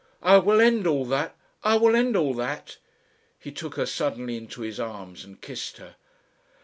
I will end all that. I will end all that." He took her suddenly into his arms and kissed her.